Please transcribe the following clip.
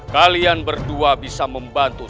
kalian berdua bisa membantu